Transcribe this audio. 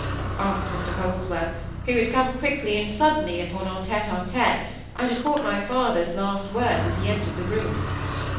asked Mr Holdsworth, who had come quickly and suddenly upon our tete a tete, and had caught my father's last words as he entered the room.